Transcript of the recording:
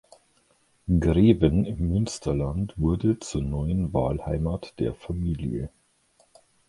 Greven im Münsterland wurde zur neuen Wahlheimat der Familie.